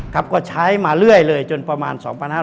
ครับก็ใช้มาเรื่อยเลยจนประมาณ๒๕๖๐